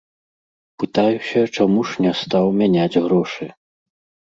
Пытаюся, чаму ж не стаў мяняць грошы.